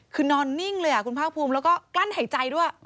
คือนอนนิ่งเลยคุณภาคภูมิแล้วก็กลั้นหายใจด้วย